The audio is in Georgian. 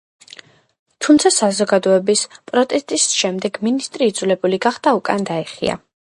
თუმცა საზოგადოების პროტესტის შემდეგ მინისტრი იძულებული გახდა უკან დაეხია.